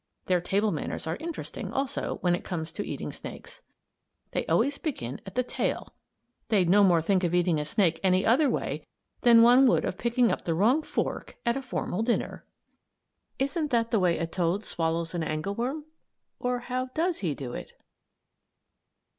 Their table manners are interesting, also, when it comes to eating snakes. They always begin at the tail. They'd no more think of eating a snake any other way than one would of picking up the wrong fork at a formal dinner. Isn't that the way a toad swallows an angleworm? Or how does he do it?